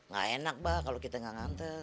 gak enak bah kalo kita gak ngantel